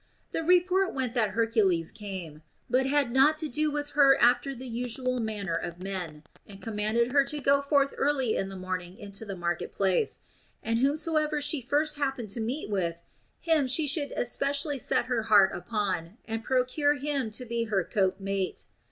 The report went that Hercules came, but had not to do with her after the usual manner of men, and commanded her to go forth early in the morning into the market place, and whomsoever she first happened to meet with, him she should especially set her heart upon and procure him to be her copemate.